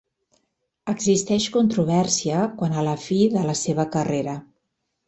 Existeix controvèrsia quant a la fi de la seva carrera.